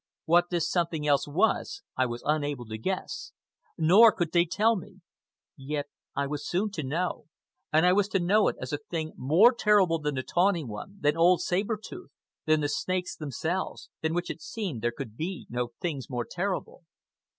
What this something else was I was unable to guess. Nor could they tell me. Yet I was soon to know, and I was to know it as a thing more terrible than the Tawny One, than old Saber Tooth, than the snakes themselves, than which it seemed there could be no things more terrible.